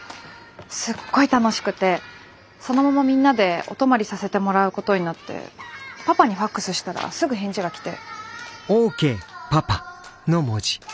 すっごい楽しくてそのままみんなでお泊まりさせてもらうことになってパパにファックスしたらすぐ返事が来て。